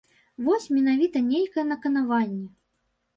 Вось менавіта нейкае наканаванне.